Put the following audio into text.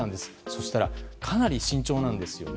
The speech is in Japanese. そしたら、かなり慎重なんです。